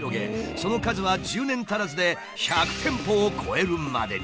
その数は１０年足らずで１００店舗を超えるまでに。